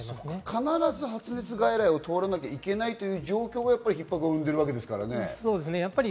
必ず発熱外来を通らなきゃいけないという状況がひっ迫を生んでいるわけですからね。